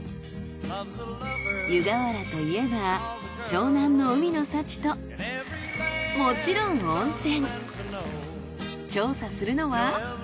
湯河原といえば湘南の海の幸ともちろん温泉。